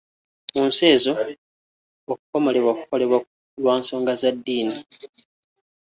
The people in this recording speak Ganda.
Mu nsi ezo okukomolebwa kukolebwa lwa nsonga za ddiini